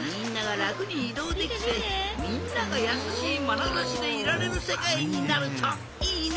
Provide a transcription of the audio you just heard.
みんながらくにいどうできてみんながやさしいまなざしでいられるせかいになるといいね。